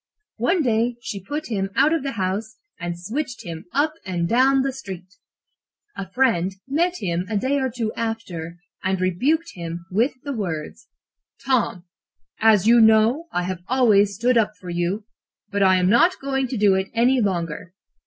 One day she put him out of the house and switched him up and down the street. A friend met him a day or two after, and rebuked him with the words: "'Tom, as you know, I have always stood up for you, but I am not going to do so any longer.